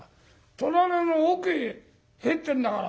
戸棚の奥へ入ってんだから。